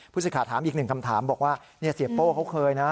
พุศิษฐาถามอีกหนึ่งคำถามบอกว่าเสียโป้เคยนะ